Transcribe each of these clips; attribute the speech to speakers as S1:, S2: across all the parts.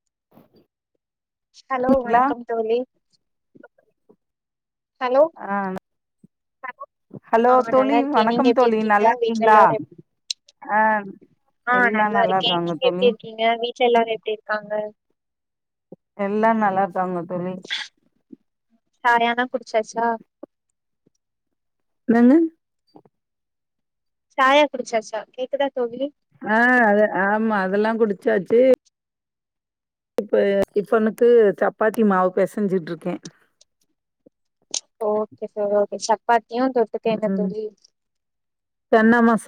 S1: [inaudible]
S2: Hello
S1: ங்களா
S2: வணக்கம் தோழி ஹலோ
S1: ஹலோ
S2: ஆ
S1: தோழி
S2: நல்லா இருக்கே நீங்க
S1: வணக்கம்
S2: எப்டி
S1: தோழி
S2: இருக்கீங்க?
S1: நல்லா
S2: வீட்ல
S1: இருக்கீங்களா
S2: எல்லாரு எப்
S1: ஆ
S2: ஆ
S1: எல்லா
S2: நல்லா இருக்கே
S1: இருக்காங்க
S2: நீங்க
S1: தோழி
S2: எப்டி இருக்கீங்க வீட்ல எல்லாரு எப்டி இருக்காங்க?
S1: எல்லா நல்லா இருக்காங்க தோழி.
S2: சாயால்லா குடிச்சாச்சா?
S1: என்னங்க?
S2: சாயா குடிச்சாச்சா? கேக்குதா தோழி?
S1: ஆ அது ஆமா அதெல்லாங் குடிச்சாச்சு. இப்ப டிஃபனுக்கு சப்பாத்தி மாவு பெசைஞ்சுட்ருக்கே.
S2: ஓகே தோழி ஓகே சப்பாத் தியு தொட்டுக்க என்ன
S1: ம்
S2: தோழி?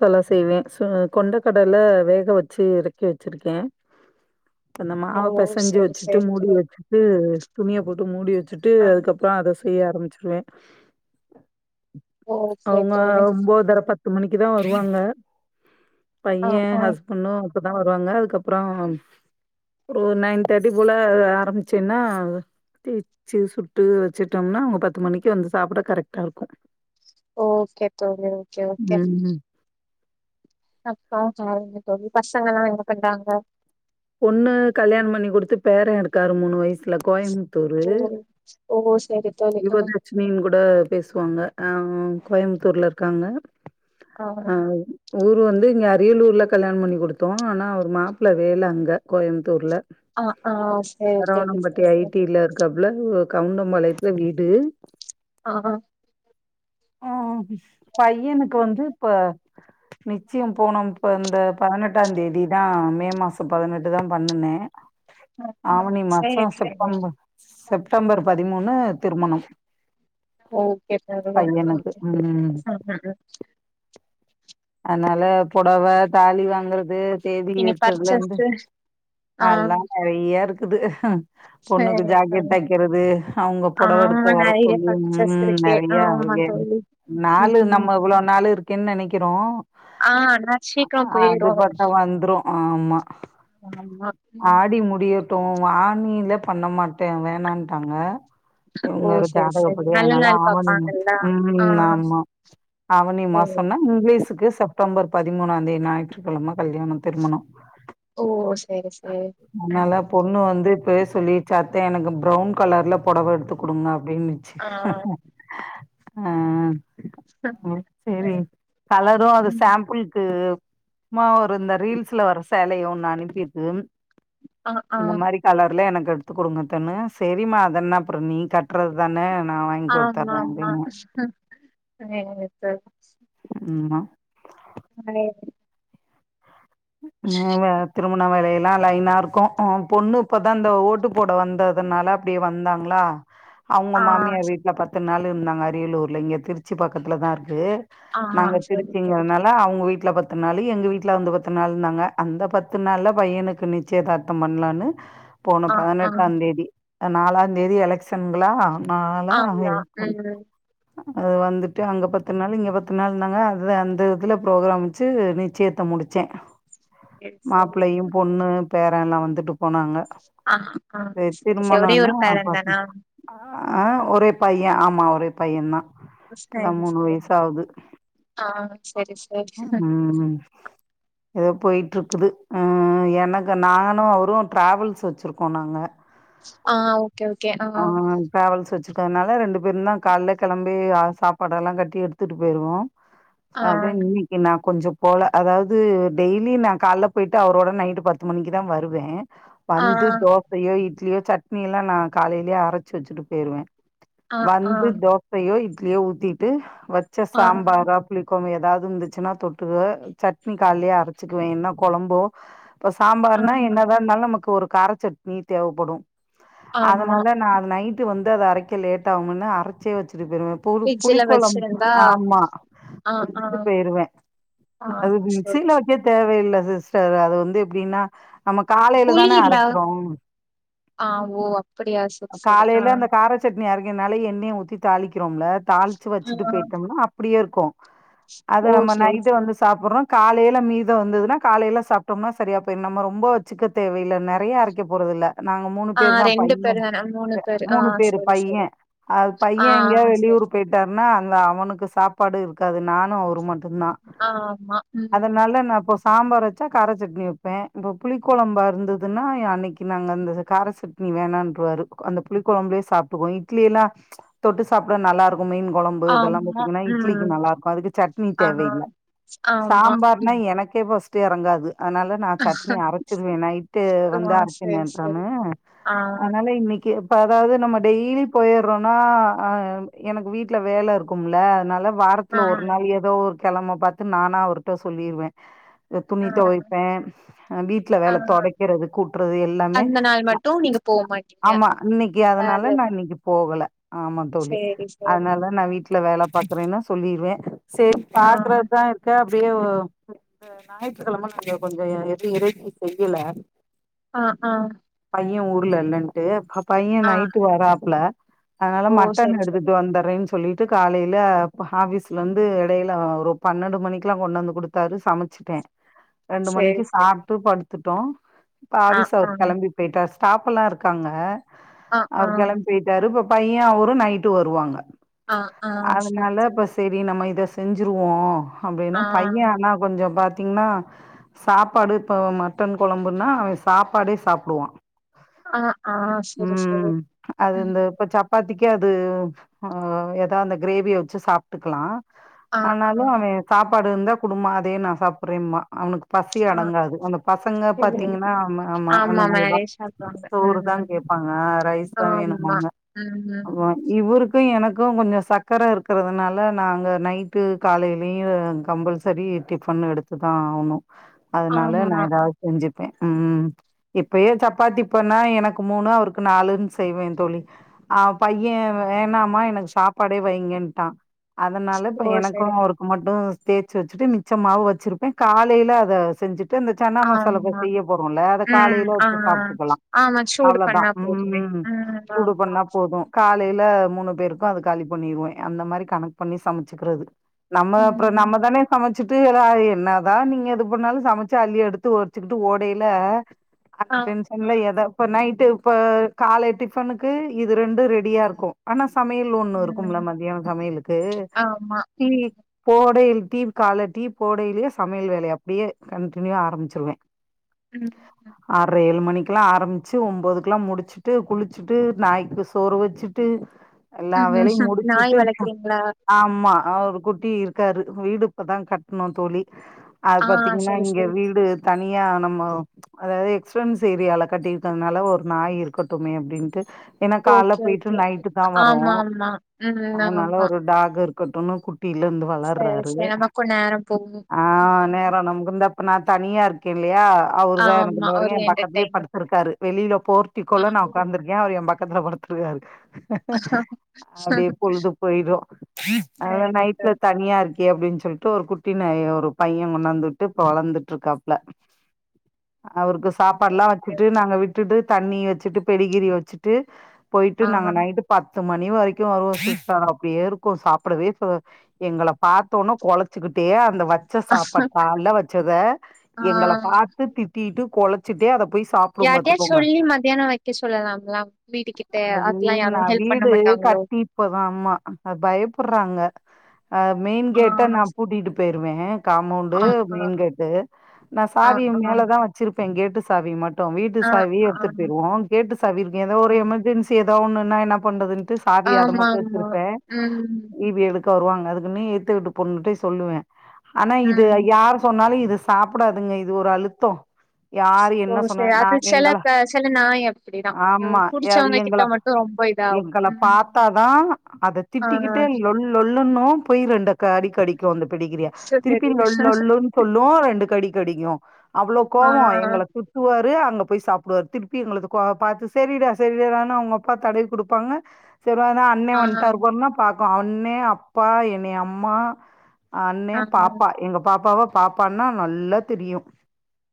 S1: லா செய்வே சு கொண்ட கடல வேக வச்சு இறக்கி வச்சிருக்கே. அந்த
S2: ஓ
S1: மாவ பெசஞ்சு
S2: செரி
S1: வச்சுட்டு
S2: செரி
S1: மூடி
S2: தோழி
S1: வச்சுட்டு துணிய போட்டு மூடி வச்சுட்டு
S2: ஆ
S1: அதுக்கப்புறோ அத செய்ய ஆரம்பி ச்சிருவே.
S2: ஓகே
S1: அவங்க
S2: தோழி
S1: ஒம்போதர பத் து மணிக்குதா வருவாங்க.
S2: ஆ
S1: பைய
S2: ஆ
S1: ஹஸ்பண்டு அப்பதா வருவாங்க. அதுக்கப்புறோ ஒரு நைன் தேர்ட்டி போல ஆரம்பிச்சேன்னா தேச்சு சுட்டு வச்சுட்டோம்னா அவங்க பத்து மணிக்கு வந்து சாப்பிட கரெக்டா இருக்கு.
S2: ஓகே தோழி ஓகே ஓகே
S1: ம்.
S2: அப்ப சேரிங்க தோழி பசங்க எல்லா என்ன பண்றாங்க?
S1: பொண்ணு கல்யாணம் பண்ணி குடுத்து பேரே இருக்காரு மூணு வயசு ல கோயமுத்தூரு.
S2: ஓ ஓ செரி தோழி ஆ
S1: தேவதர்ஷினினு கூட பேசுவாங்க ஆ ஆ கோயமுத்தூர்ல இருக்காங்க. ஆ ஊர் வந்து இங்க அரியலூர்ல கல்யாணோ பண்ணி குடுத்தோ ஆனா அவரு மாப்ள வேல அங் க கோயமுத்தூர்ல
S2: ஆ ஆ செரி தோழி
S1: சரவணம்பட்டி
S2: செரி
S1: ஐ
S2: செரி
S1: டி ல இருக்காப்ல இவ கவுண்டம்பாளையத்துல வீடு
S2: ஆ ஹா
S1: ம் ம் ம் பையனுக்கு வந்து இப்ப நிச்சயம் போன இப்ப இந்த பதினெட்டாந் தேதிதா மே மாசோ பதனெட்டுதா பண்ணுனே ஆவணி
S2: சரி
S1: மாசோ செப்டம்பர் செப்டம்பர் பதிமூணு திருமணம்
S2: ஓகே தோழி ஓகே
S1: பையனுக்கு
S2: ஓகே
S1: ம்
S2: ம்
S1: அதனால பொடவ தாலி வாங்கறது தேதி
S2: இனி
S1: வச்சதுல இருந்து
S2: பர்ச்சேஸ்ஸு ஆ
S1: எல்லா நெறையா இருக் குது ஆ பொண்ணுக்கு
S2: சரி
S1: ஜாக்கெட்
S2: தோழி
S1: தைக்கிறது அவங்க பொடவ
S2: ஆமா
S1: எடுக்க வர
S2: நெறைய
S1: சொல்லி
S2: பர்ச்சேஸ்
S1: நாங்க
S2: இருக்கு
S1: நெறைய
S2: ஆமா
S1: என்
S2: தோழி
S1: நாளு
S2: ம்
S1: நம்ம இவ்ளோ நாளு இருக்கேன்னு நெனைக் கிறோ
S2: ஆ ஆனா
S1: அ
S2: சீக்கிரோ
S1: ஆ
S2: போயிரு
S1: அதுபாட்டுக்கு வந்துரு ஆமா
S2: ஆமா
S1: ஆடி முடி யட்டு ஆனியில பண்ண மாட்டே வேணான்ட்டாங்க
S2: ஓ
S1: இவங்க இது
S2: சரி சரி
S1: ஜாதகப்படி
S2: நல்ல
S1: அதனால
S2: நாள்
S1: ஆவணிதா
S2: பாப்பாங்கல்ல ஆ
S1: ம் ஆமா ஆவணி
S2: சரி
S1: மாசன்ன ஸ்ஸுக்கு செப்டம்பர் பதிமூனாந் தேதி ஞாயிற்றுக்கிழம கல்யாணோ திருமணோ
S2: ஓ சரி சரி ஆ
S1: அதனால
S2: சரி
S1: பொண்ணு வந்து பேசு சொல்லிருச்சு அத்த எனக்கு பிரவுன் கலர்ல பொடவ எடுத்து குடுங்க அப்டின்னுச்சு.
S2: ஆ
S1: ஆ ம் செரி
S2: சரி
S1: கலரு அது
S2: ம்
S1: சாம்பிள்க்கு இது சும்மா ஒரு இந்த ரீல்ஸ்ல வர சேலைய ஒண்ணு அனுப்பிருக்கு
S2: ஆ ஆ
S1: இந்த மாரி கலர்ல எனக் கு எடுத்துக் குடுங்க அத்தைன்னு செரிம்மா அதென்ன அப்றோ நீ கட்றதுதானே
S2: ஆ நா நா செரிங்க தோழி
S1: ஆமா
S2: [unintelligible]
S1: ம் அதா திருமண வேலைகள் ல்லா லைனா இருக்கு ஆ பொண்ணு இப்பதா இந்த ஓட்டு போட வந்ததுனால அப்டியே வந்தாங்களா அவங்க
S2: ஆ ஆ
S1: மாமியார் வீட்ல பத்து நாளு இருந்தாங்க அரியலூர்ல இங்க திருச்சி பக்கத்துலதா இருக்கு.
S2: ஆ
S1: நாங்க
S2: சரி சரி
S1: திருச்சிங்கிறனால அவுங்க வீட் ட்ல பத்து நாளு எங்க வீட்ல வந்து பத் து நாள்னாங்க அந்த பத்து நாள்ல பையனுக்கு நிச்சயதார்த்தம் பண்லான்னு போன
S2: ஆ ஆ
S1: பதினெட்டாந் தேதி நாலாந்தேதி எலெக்ஷன்ங்ளா நாலா
S2: ஆமா ம்
S1: [unintelligible] அது வந் துட்டு அங்க பத்து நாள் இங்க பத் து நாள்னாங்க அத அந்த இதுல புரோக்ராம் வச்சு நிச்சயத்த முடு ச்சே
S2: சரி சரி
S1: மாப்ளையும் பொண்ணு பேரெல்லா வந்துட்டு போனாங்க
S2: ஆ ஆ
S1: தெ
S2: சரி சரி ஒரே
S1: திருமணொன்னா
S2: ஒரு பேரன்
S1: ப
S2: தானா
S1: ஆ ஒரே பைய ஆமா ஒ ரே பையந்தா இப்ப தா
S2: சரி
S1: மூணு
S2: சரி
S1: வயசு ஆவுது
S2: ஆ சரி சரி
S1: ம் எதோ போயிட்ருக்குது ம் எனக்கு நானு அவரு ட்ராவல்ஸ் வச்சுருக்கோ நாங்க
S2: ஆ ஓகே ஓகே ஆ
S1: சுருக்கனால ரெண்டு பேருந்தா கால்ல கெளம்பி ஆ சாப்பாடெல்லாங் கட்டி எடுத்துட்டு போயிருவோ
S2: ஆ
S1: தெ இன்னக்கி நா கொஞ்சப் போல அதாவ்து டெய்லி நா கால்ல போயிட்டு அவரோட நைட்டு பத்து மணிக்கு தா வருவே
S2: ஆ
S1: வந்து தோசையோ இட் லியோ சட்னியில்லா நா காலைலயே அரச்சு வச்சுட்டு போயிருவே
S2: ஆ ஆ
S1: வந்து தோசையோ இட் லியோ ஊத்திட்டு வச்ச
S2: ஆ
S1: சாம்பாரா புளிக்கொழம்ப இ ருந்துச்சுனா தொட்டுக்குவ சட்னி கால்லியே அரச்சுக்குவே என்ன கொழம்போ இப்ப
S2: ஆ
S1: சாம்பார்னா என்னதா இருந்தாலு நமக்கு ஒரு காரச்சட்னி தேவப்படு
S2: ஆமா
S1: அதனால்தா நா அது நைட்டு வந் து அத அரைக்க லேட்டாவுமுன்னு அரச்சே வச் சுட்டு போயிருவே இப்ப ஒரு
S2: ஃப்ரிட்ஜ்ல
S1: புளிக்கொழம்
S2: வச்சிருந்தா
S1: ஆமா
S2: ஆ ஆ
S1: வச் சுருவே
S2: ஆ
S1: அது
S2: சரி
S1: மிக்சில வக்க
S2: சரி
S1: தேவயில்ல சி சிஸ்டர் அது வந்து எப்டினா நாம காலேல தான
S2: புளியிலா
S1: அரைக்கிறோ
S2: ஆ ஓ அப்படியா சரி சரி ஆ
S1: காலேல அந்த காரச்சட்னி அரைக்குறதுனால எண்ணய ஊத்தி தாளிக்கிறோம்ல தாளிச்சு
S2: ஆ
S1: வச்சுட்டு போயிட்டோம்னா அப்டியே இரு இருக்கும் [unintelligible] அத
S2: ஓ
S1: நம்ம
S2: சரி
S1: நைட்டு
S2: சரி
S1: வந்து சாப்புறோ காலேல மீத வந்ததுனா காலேல சாப்டோம்னா சரியா போயிடு நம்ம ரொம்ப வச்சுக்க தேவயில்ல நெறயா அரைக்க போறது இல்ல நாங்க மூனு
S2: ஆ
S1: பேரு தா
S2: ரெண்டு
S1: பைய
S2: பேரு தான மூணு பேரு ஆ
S1: மூனு பேரு
S2: சரி
S1: பைய
S2: சரி
S1: அது
S2: ஆ
S1: பைய எங்கேயாவது
S2: சரி
S1: வெளியூர்
S2: சரி
S1: போயிட்டாருனா அங்க அவனுக்கு சாப்ப சாப்பாடு இருக்காது நானு அவ [unintelligible] சொன்னா
S2: ஆமா ம்
S1: அதனால நா சாம்பார் வெச்சா கார சட்னி வெப்பே இப்போ புளிக்குழம்பா இருந்ததுனா எ அன்னைக்கு நாங்க அந்த கார சட்னி வேணான்றுவாரு அந்த புளி குழம்புலே சாப்டுக்குவோ இட்லி எல்லா தொட்டு சாப்டா நல்லாருக்கு மீன் கொழம்பு இதெலா
S2: ஆமா
S1: பாத்தீங்னா இட்லிக்கு
S2: ம்
S1: நல்லா இருக்கு அதுக்கு சட்னி
S2: ஆ
S1: தேவையில்ல
S2: ஆமா
S1: சாம்பார்னா எனக்கே பஸ்டு எறங்காது அதனால நா சட்னி அரச்சிருவே நைட்டு
S2: ஆ
S1: வந்து அரச்ச
S2: சரி சரி
S1: நேட்டான
S2: ஆ
S1: அதனால இன்னைக்கு இப்ப அதாவது நம்ம டெய்லி போயிறனா எனக்கு வீட்ல வேல இருக்கும்ல அதனால
S2: ஆ
S1: வாரத்ல ஒரு நாள் எடுத்துக்லா ஒரு கெழம பாத்து நானா அவர்கிட்ட சொல்லிருவே துணி
S2: ஆ
S1: தொவைப்பே வீட்ல
S2: ஆ
S1: வேல தொடைக்குறது கூட்றது எல்லாமே
S2: அந்த நாள் மட்டு நீங்க போ மாட்டீங்க
S1: ஆமா இன்னைக்கு
S2: வேல
S1: அதனால நா
S2: இருக்கு
S1: இன்னைக்கு போகல ஆமாந்தோழி
S2: சேரி சேரி
S1: அதனால நா வீட்ல வேல பத்தலேனா சொல்லிருவே சேரி
S2: ஆ
S1: பாக்குறதுதா இருக்கா எப்டியு இந்த ஞாயிற்றுக்கிழம நாங்க கொஞ்ச எதுவு இறைச்சி செய்யல
S2: ஆ ஆ
S1: பைய ஊர்ல இல்லேண்டு பைய
S2: ஆ
S1: நைட்டு வராப்ல அதனால
S2: ஓ
S1: மட்டன்
S2: சரி சரி
S1: எடுத்துட்டு வந்தறேனு சொல்லிட்டு காலையில ஆபீஸ்ல இருந்து ந்து இடையில ஒரு பன்னெண்டு மணிக்கு எல்லாம் கொண்டு வந்து கொடுத்தாரு சமச்சுட்டேன் ரெண்டு
S2: சரி
S1: மணிக்கு
S2: சரி
S1: சாப்பிட்டு த்துட்டோம்
S2: ஆ
S1: ஆபீஸ்
S2: ஆ
S1: அவரு கெளம்பி போயிட்டாரு ஸ்டாப்பெல்லாம் இருக்காங்க
S2: ஆ ஆ
S1: அவர் கெளம்பி போய்ட்டாரு பையன் அவரும் நைட்டு வருவாங்க
S2: ஆ ஆ சரி
S1: அதுனால
S2: சரி
S1: இப்ப செரி நம்ம இ த செஞ்சுருவோ அப்டின்னு
S2: ஆ
S1: பைய ஆனா கொஞ்ச பாத் திங்னா சாப்பாடு இப்ப மட்டன் கொழம்புன்னா அவெ சாப்பாடே சாப்டுவா
S2: அ ஆ செரி செரி ம்
S1: கது அ எதா அந்த கிரேவிய வச்சு சாப்டுக்கலா
S2: ஆ ஆ
S1: ஆனாலும் அவெ சாப் பாடு இருந்தா குடும்மா அதே நா சாப்புர்றேம்பா அவனுக்கு பசி
S2: ஆ
S1: அடங்காது அந்த பசங்க
S2: சரி
S1: பாத்தீங்கன்னா ஆமா ஆமா அந்த மாரிதா
S2: மேரேஜ் ஆக்குவாங்க
S1: சோறு தா
S2: ம்
S1: கேப்பாங்க ரைஸ் தா
S2: ஆமா
S1: வேணும்பாங்க அவ
S2: ம்
S1: இவருக்கு எனக் கு கொஞ்ச சக்கர இருக்குறதுனால நாங்க நைட்டு காலைலயு கம்பல்சரி டிஃபன் எடுத்து தா ஆவுணு அதனால
S2: ஆமா
S1: நா எதாவு செஞ்சுப்பே ம் இப்பயெ சப்பாத்தி பண்ணா எனக்கு மூணு அவருக்கு நாலுன் செய்வே தோழி ஆ பைய வேணாமா எனக்கு சாப்பாடே வைங்கன்ட்டா அதனால இப்ப
S2: ஓ!
S1: எனக்கு
S2: சரி.
S1: அவருக்கு மட்டு தேச்சு வச்சுட்டு மிச்ச மாவ வச்சுருப்பே காலைல அத செஞ்சு ட்டு‌ அந்த சன்னா மசாலா இப்ப
S2: ஆமா.
S1: செய்ய போறோல்ல அத
S2: ம்.
S1: காலைல
S2: ஆ.
S1: வச்சு சாப்டுக்கலா
S2: ஆமா. சூடு
S1: அவ்ளதா
S2: பண்ணா
S1: ம்
S2: போதுமே.
S1: ம் சூடு
S2: ஆமா.
S1: பண்ணா போது காலைல் ல மூணு பேருக்கு அது காலி பண்ணிருவே அந்த மாரி கணக் பண்ணி சம ச்சுக்றது நம்ம அப்றொ
S2: ம்.
S1: நம்ம தானே சம ச்சுட்டு எரா என்னாதா நீங்க எது பண்ணாலு சமச்சு அள்ளி எடுத்து ஒரிச்சுக்கிட்டு ஓடையில அந்த
S2: ஆமா.
S1: டென்ஷன்ல எத இப்ப நை ட்டு இப்ப காலை டிஃபனுக்கு இது ரெண்டு ரெடியா இருக்கு ஆனா சமையல் ஒன்னு இருக்கும்ல
S2: ம்.
S1: மத்தியொ சமையலுக்கு
S2: ஆமா.
S1: டீ போடையில் டீ கால டீ போடைலயே சமையல் வேலைய அப்டியே கன்டினியா ஆரம்பிச்சிருவே
S2: ம்.
S1: ஆர்ற‌ ஏழு மணி க்லா ஆரம்பிச்சு ஒம்போதுக்லா முடுச்சுட்டு குளிச்சுட்டு நாய்க்கு சோறு வச்சுட்டு எல்லா
S2: ம்.
S1: வேலையும்
S2: ம். நாய்
S1: முடுச்சுட்டு
S2: வளர்க்குறீங்களா?
S1: ஆமா அ ஒரு குட்டி இருக்காரு வீடு இப்பதா கட்ணோ தோழி அது
S2: ஆ
S1: பாத்தீங்கன்னா
S2: சரி,
S1: இங்க
S2: சரி.
S1: வீடு தனியா நம்ம அதாது எக்ஸ்பன்ஸ் ஏரியால கட்டிருக்கதுனால ஒரு நாய் இருக்கட்டுமே அப்டின்ட்டு என்னா கால்ல
S2: ஓகே,
S1: போயிட்டு
S2: ஓகே.
S1: நைட்டு தா வரோ
S2: ஆமாமா. ம்.
S1: அதுனால
S2: ஆமா.
S1: ஒரு டாக் இருக் கத்தன கு [inaudible] குட்டில இருந்து
S2: சரி,
S1: வளர்றாரு
S2: சரி. நமக்கும் நேரம் போகும்.
S1: ஆஹ
S2: ம்.
S1: நேரம் நமக்கு இப்ப நான் தனியா இருக்கேன் இல்லையா அவர் தான் எனக்கு
S2: ஆமா.
S1: இந்த
S2: ஒரு
S1: வரையும் என் பக்கத்து
S2: என்டர்டெயின்மென்ட்.
S1: படுத்திருக்காரு வெளியில
S2: ஆ.
S1: போரட்டள்ள நான் உகாந்துருக்கேன் அவர் என் பக்கம் கத்தல பத்துருக்காரு அடியே பொழுது போயிடும் அத
S2: சரி,
S1: நைட்ல
S2: சரி.
S1: தனியா இருக்கே அப்படின்னு சொல்லிட்டு ஒரு குட்டின ஒரு பையன் கொண்டாந்துட்டு இப்ப வளர்ந்துட்டு இருக்காப்ல அவருக்கு சாப்பாடு எல்லாம்
S2: ஓகே.
S1: வச்சிட்டு நாங்க விட்டுட்டு தண்ணி வச்சுட்டு பெடிகிரி வச்சுட்டு போயிட்டு
S2: ஆ.
S1: நாங்க நைட்டு ப மணி வரைக்கும் அப்படியே இரு சாப்பிடவே எங்களை பார்த்தோன கொலைச்சுக்கிட்டே அந்த வச்ச சாப்பாடுல்ல கால்ல வச்சதை எங்களை
S2: ஆ.
S1: பார்த்த திட்டிட்டு குழச்சுட்டட்டு அதை போய் சாப்டு
S2: யாரிட்டையா
S1: பாத்துக்கோங்க
S2: சொல்லி மத்தியானம் வைக்க சொல்லலாம்லாம் வீட்டு கிட்ட
S1: அது
S2: அததுெல்லாம்
S1: நா
S2: யாரும் ஹெல்ப் பண்ண
S1: வீடு
S2: மாட்டாங்களோ
S1: பயப்ராங்க போடுறாங்க அஹ் மெயின்
S2: ஆ
S1: கேட்டை நான்
S2: சரி.
S1: பட்டிட்டு போயிருவேன் காம்பௌண்டு
S2: ஆ ஆ
S1: மெயின் கேட்டு நான்
S2: ஆ
S1: சாவி மேலதான் வச்சிருக்கேன் கேட்டு சாவிமட்டும் வீட்டு
S2: ஆ ஆ
S1: சாவி எடுத்துட்டுயவம் கேட்டு சாவி இருக்க ஏ ஒரு
S2: ஆ
S1: எமர்ஜென்சி எ ஒண்ணு என்ன என்ன பண்றதுன்ன சாதி அதை மட்டும் வச்சிருப்பேன்
S2: உம்
S1: வருவங்க அதுக்குன்னு ஏத்துக்கிட்டு போண்ணிட்டே சொல்லுவே ஆனா இது
S2: ம்
S1: யார் சொன்னாலும் இது சாப்பிடாதுங்க இது ஒரு அழுத்தம் யாரு
S2: ஓ
S1: என்ன சொன்ன
S2: சரி
S1: நா
S2: அது சில
S1: எங்கள
S2: ப சில நாய் அப்டிதா ம்
S1: ஆமா
S2: புடிச்சவங்க கிட்ட
S1: எங்கள
S2: மட்டு ரொம்ப இதாகு
S1: எங்கள
S2: ம்
S1: பாரத்தாதான அதது
S2: ஆ
S1: திட்டிக்கிட்டே ளொல் ளொல்லன்னு போய் ரெண்டு கடி கடிக்கும் அந்த பெடிகிறிய
S2: சரி
S1: திருப்பி ளொல் ளொல்லன்னு சொல்லு ரெண்டு கடிக்கடிக்கு அவ்வளோ
S2: ஆ
S1: கோபம் எங்களை சுத்துவாரு அங்க போய் சாப்பிடுவாரு திருப்பி எங்களுக்கு பாார்த்து சரிடா சரிடடான்னு அவங்க அப்பா தடவி கொடுப்பாங்க சரி அண்ண
S2: ஆ
S1: வந்துட்டாரு அம்மா பாக்கு அண்ணா அப்பா என்னைய அம்மா அண்ணே
S2: ஆ
S1: பாப்பா எங்க பாப்பாவ பாப்பான்னா நல்லா தெரியு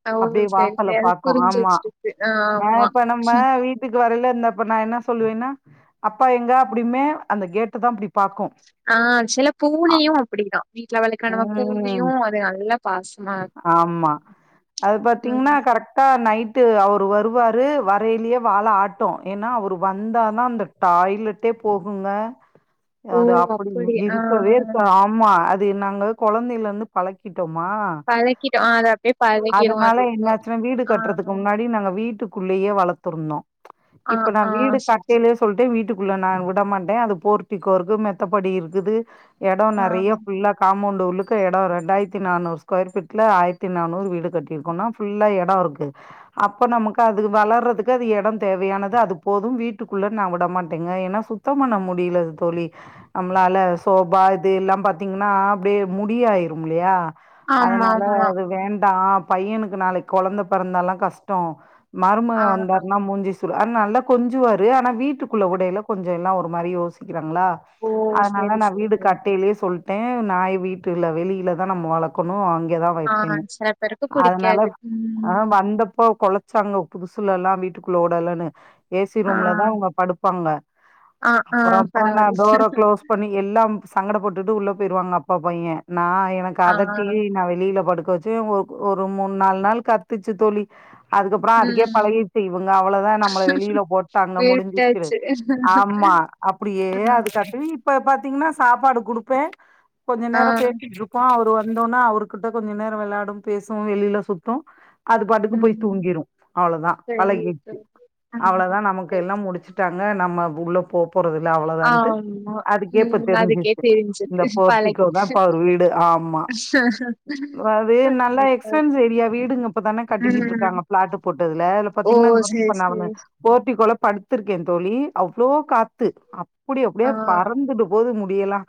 S2: ஓ
S1: அப்பிடியே
S2: சரி
S1: வாசல
S2: சரி அது
S1: பாக்கு
S2: புரிஞ்சு
S1: ஆமா
S2: வச்சிருக்கு ஆ,
S1: ஆஹ இப்ப நம்ம
S2: ஆமா
S1: வீட்டுக்கு வரயில இருந்தப்ப நா என்ன சொல்லுன்னா அப்பா எங்க அப்படினு அந்த கேட்டு தான் அப்படி
S2: ஆஹ சில பூனையு அப்பிடிதா வீட்டுல வளக்கர நம்ம
S1: ம்
S2: பூனியு அது நல்ல பாசமா இருக்கு
S1: ஆமா
S2: உம்
S1: அவர் வருவாரு வரயிலேயே வாழ ஆட்டோ ஏன்னா அவர் வந்தா தா அந்த டாய்லட்டே போகு [unintelligible]
S2: ஓ
S1: அது அப்பிடி
S2: அப்படி ஆ
S1: இருக்கவே இருக்க ஆமா அது நாங்க குழந்தையில இருந்து பழகிட்டு
S2: பழக்கிட்டோ ஆ அது அப்டியே பழகிரு
S1: அதனால
S2: அதுக்கு
S1: என்னாச்சினா வீடு
S2: ஆ
S1: கட்டுறதுக்கு முன்னாடி நாங்க வீட்டு குள்ளேயே வளர்த்துருனு
S2: ஆ
S1: இப்ப நா
S2: ஆ
S1: வீடு
S2: சரி சரி
S1: கட்டயில சொல்லிட்டே வீட்டுக்குள்ள நா கூட விட மாட்டே அது போர்த்திகொருக்கு மெத்தப்படி இருந்தது இட
S2: ஆ
S1: நறைய புல்லா காமோண்ட் உள்ளகோ எடோ இருந்த இரண்டாயிரத்து நானூறு ஸ்கோயர் பிட்டுல ஆயிரத்தி நானூறு வீடுக்கட்டி இருக்கோனா புள்ளா எடோ இருக்கு அப்போ நமக்கு அதுங்க வளர்றதுக்கு எடம் தேவையானது அது போதும் வீட்டுள்ள நா உடமடோங்க ஏன்னா சுத்தமண்ண முடியல தோழி நம்மளால சோபா இது எல்லா பாத்தீங்கன்னா அப்புடியே முடியாயிரு இல்லயா
S2: ஆமா
S1: அதனால
S2: ஆமா
S1: அது வேண்டா பையனுக்கு நாளைக்கு குழந்த பிறந்தாலா கஷ்ட மரும
S2: ஆ
S1: வந்தாருன்னா மூஞ்சு அதன நல்ல கொஞ்சம்ரு ஆனா வீட்டுக்குள்ள உடையில கொஞ்சம் எல்லா ஒரு மாரி யோசிக்க இருக்காங்களா
S2: ஓ
S1: அதனால
S2: சரி
S1: நா வீடு
S2: சரி
S1: கட்டையிலே சொல்லி நாய் வீட்டுல வெளியில தா நம்ம வளர்க்கணு அங்க இங்க தா
S2: ஆ
S1: வைப்பே
S2: சில பேருக்கு
S1: அதனால
S2: புடிக்காது
S1: ஆ
S2: ம்
S1: வந்தப்போ குளச் தங்கோ புதுசுல்ல எல்லாம் வீட்டுக்குள்ள ஓடலன்னு ஏசி
S2: ஆ
S1: ரூம்ல தா அவுங்க படுப்பாங்க
S2: ஆ ஆ
S1: அப்புற அப்புற நா
S2: பரவால்ல
S1: டோர குளோஸ் பண்ண எல்லா சங்கட போட்டுட்டு உள்ள போயிருவாங்க அப்பா பைய நா எனக்கு
S2: ஆ
S1: அதட்டி நா வெளியில படுக்க வச்சு ஒரு ஒரு மூண் நாலு நாள் கத்துச்சி தோழி அதுக்கப்புறம் அதுக்கே
S2: ம்
S1: பழகிச்சி இவங்க அவ்வளோ தான் நம்மள வெளியில போட்டாங்க முடிஞ்சிச்சி
S2: விட்டாச்சு
S1: ஆமா அப்பிடியே
S2: ஆ
S1: அதுக்கிட்டு இப்ப பாத்தீங்கின்னா சாப்பாடு குடுப்பே கொஞ்ச
S2: ஆ
S1: நேர பேசிட்டு இருக்கோ அவரு இருந்தோன்னா அவர்கிட்ட கொஞ்ச நேர விளையாடு பேசும் வெளியில சுத்து அது பாட்டுக்கு போய்
S2: ம்
S1: தூங்கிரு அவ்ளோதா
S2: சரி
S1: பழகிடு
S2: சரி ம்
S1: அவ்ளோதா நமக்கு
S2: சரி
S1: எல்லாம் முடிச்சுட்டா நா நம்ம உள்ள போ போறது இல்ல அவ்ளோதான்ட்டு
S2: ஆமா
S1: அதுக்கேப்ப
S2: ம் அதுக்கே
S1: தெரிஞ்சிச்சு இந்த
S2: தெரிஞ்சது
S1: போர்டிக்கோ தா
S2: பழகிட்டு
S1: இப்ப அவுரு வீடு ஆமா அது நல்லா எக்ஸ்பன்ஸ் ஏரியா வீடுங்க இப்பதானே கட்டிக்கிட்டு
S2: ம்
S1: இருக்காங்க பிளாட்டு் போட்டதுல இல
S2: ஓ
S1: பாத்தீங்கின்னா வ
S2: சேரி
S1: இ நா
S2: சேரி
S1: போர்டிக்கோல படுத்திருக்கே தோழி அவ்ளோ காத்து அப்புடி
S2: ஆ
S1: அப்பிடியே பறந்துட்டு போது முடி அப்படியெல்லாம்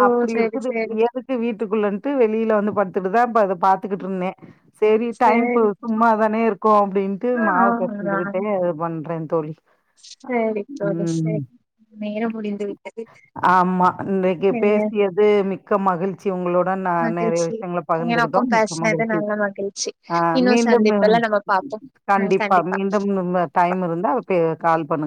S2: ஓ
S1: அப்படி
S2: சேரி
S1: இருக்குது
S2: சேரி
S1: ஏதுக்கு வீட்டுக்குள்ளன்ட்டு வெளியில வந்து இப்படி தான் பாத்துக்கிட்டு இருந்தேன் சரி
S2: சேரி
S1: டைம்பாஸ் சும்மா தானே இருக்கோ அப்படின்ட்டு
S2: ஆ
S1: மாவு பேசன்ஜிகிட்டே இது பண்றேன் தோலி
S2: [unintelligible] சரி போ சரி நேர முடிந்து விட்டாது
S1: ஆமா இன்னைக்கு
S2: சரியா
S1: பேசியது மிக்க மகிழ்ச்சி உங்களோட ந நிறைய விஷயங்க பகிர்ந்துகிட்டோம்
S2: எனக்கும்
S1: முக்க
S2: பேசுனது
S1: மகிழ்ச்சி
S2: நல்ல மகிழ்ச்சி
S1: ஆஹ்
S2: இன்னும்
S1: மீண்டும்
S2: சந்திப்புல நம்ம பாப்போம் ம்
S1: கண்டிப்பாக
S2: கண்டிப்பா ப
S1: மீண்டும் டைம் இருந்தா கால் பண்ணுங்க